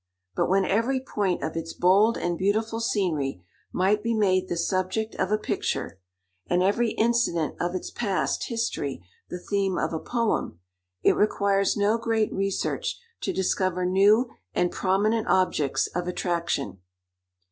But when every point of its bold and beautiful scenery might be made the subject of a picture, and every incident of its past history the theme of a poem, it requires no great research to discover new and prominent objects of attraction.